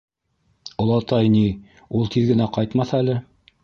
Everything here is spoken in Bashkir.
- Олатай ни ул тиҙ генә ҡайтмаҫ әле.